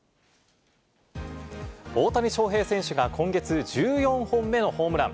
大谷翔平選手が今月１４本目のホームラン。